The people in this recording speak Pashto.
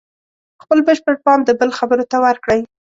خپل بشپړ پام د بل خبرو ته ورکړئ.